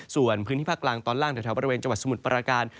ส่วนพื้นที่ภาคกลางตอนล่างแถวบริเวณจังหวัดสมุทรปราการ